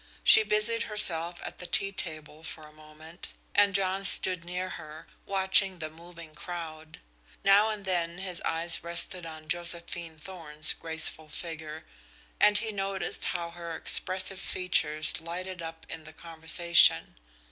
She busied herself at the tea table for a moment, and John stood near her, watching the moving crowd. Now and then his eyes rested on Josephine Thorn's graceful figure, and he noticed how her expressive features lighted up in the conversation.